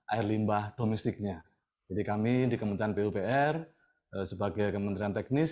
air limbah domestiknya jadi kami di kementerian pupr sebagai kementerian teknis